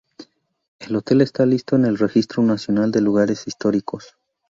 El hotel está listado en el Registro Nacional de Lugares Históricos.